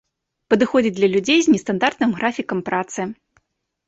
Падыходзіць для людзей з нестандартным графікам працы.